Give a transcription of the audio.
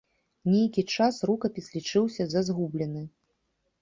Нейкі час рукапіс лічыўся за згублены.